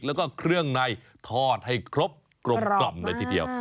และก็เครื่องในทอดให้ครบกรอบหน่อยเทียบ